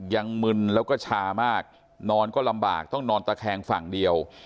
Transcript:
มึนแล้วก็ชามากนอนก็ลำบากต้องนอนตะแคงฝั่งเดียว